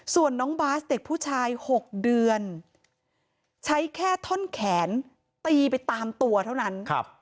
ส่วนน้องบาสเด็กผู้ชาย๖เดือนใช้แค่ท่อนแขนตีไปตามตัวเท่านั้น